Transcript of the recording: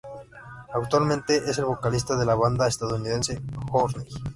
Actualmente es el vocalista de la banda estadounidense Journey.